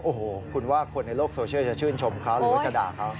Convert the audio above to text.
โอ้โหคุณว่าคนในโลกโซเชียลจะชื่นชมเขาหรือว่าจะด่าเขา